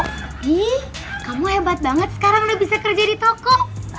hmm kamu hebat banget sekarang udah bisa kerja di toko